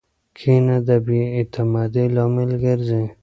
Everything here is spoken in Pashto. کینه د بې اعتمادۍ لامل ګرځي.